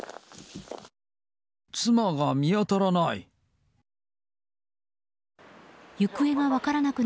妻が見当たらない。